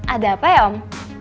ada apa ya om